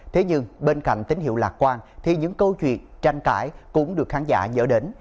thế nhưng bên cạnh tín hiệu lạc quan thì những câu chuyện tranh cãi cũng được khán giả dỡ đến